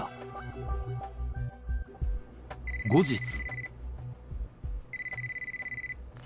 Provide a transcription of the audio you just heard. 後日。